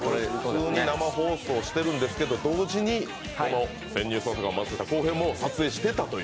普通に生放送してるんですけど同時に「潜入捜査官松下洸平」も撮影していたという。